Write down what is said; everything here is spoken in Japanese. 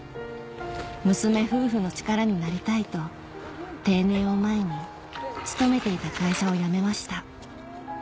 娘夫婦の力になりたいと定年を前に勤めていた会社を辞めました